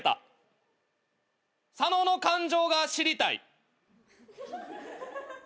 「佐野の感情が知りたい」